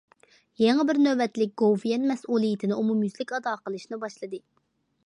يېڭى بىر نۆۋەتلىك گوۋۇيۈەن مەسئۇلىيىتىنى ئومۇميۈزلۈك ئادا قىلىشنى باشلىدى.